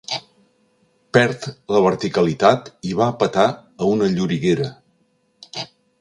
Perd la verticalitat i va a petar a una lloriguera.